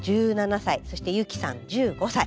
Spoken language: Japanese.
１７歳そして悠稀さん１５歳。